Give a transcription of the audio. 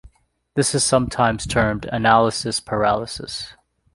This is sometimes termed analysis paralysis.